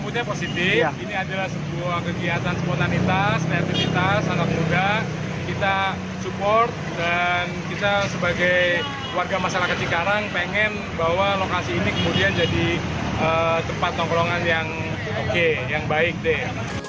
dan kita sebagai warga masyarakat cikarang pengen bahwa lokasi ini kemudian jadi tempat tongkrongan yang oke yang baik deh